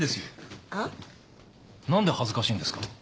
何で恥ずかしいんですか？